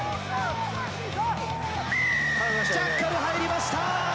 ジャッカル、入りました。